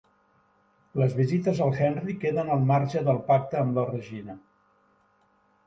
Les visites al Henry queden al marge del pacte amb la Regina.